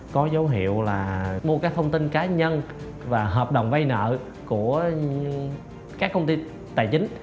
có dấu hiệu là mua các thông tin cá nhân và hợp đồng vay nợ của các công ty tài chính